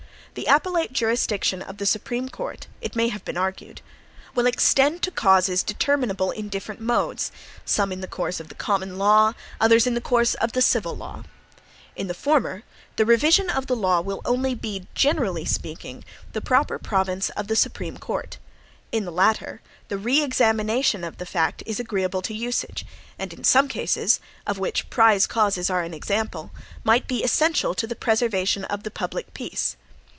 The appellate jurisdiction of the Supreme Court (it may have been argued) will extend to causes determinable in different modes, some in the course of the COMMON LAW, others in the course of the CIVIL LAW. In the former, the revision of the law only will be, generally speaking, the proper province of the Supreme Court; in the latter, the re examination of the fact is agreeable to usage, and in some cases, of which prize causes are an example, might be essential to the preservation of the public peace.